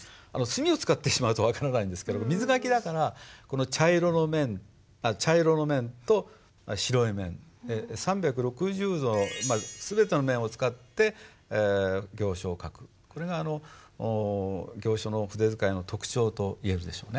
墨を使ってしまうと分からないんですけど水書きだから茶色の面と白い面３６０度全ての面を使って行書を書くこれが行書の筆使いの特徴といえるでしょうね。